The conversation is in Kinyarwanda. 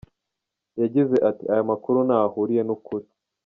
Yagize ati: “Aya makuru ntaho ahuriye n’ukuri.